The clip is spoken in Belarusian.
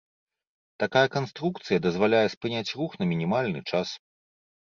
Такая канструкцыя дазваляе спыняць рух на мінімальны час.